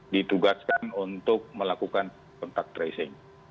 ditugaskan untuk melakukan kontak tracing